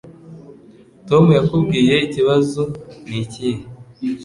Tom yakubwiye ikibazo nikihe